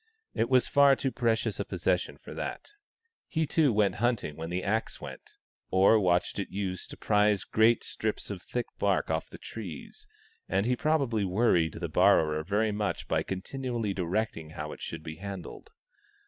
It was far too precious a possession for that. He, too, went hunting when the axe went, or watched it used to prise great strips of thick bark off the trees, and he probably worried the borrower very much by continually directing how it should be handled.